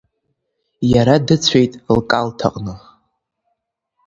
Иара дыцәеит лкалҭ аҟны.